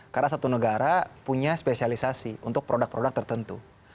karena satu negara punya spesialisasi untuk produk produk tertentu